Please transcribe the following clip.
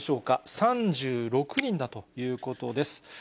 ３６人だということです。